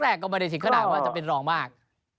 ยกแรกก็ไม่ได้ถิดขนาดว่าจะเป็นหล่อมาก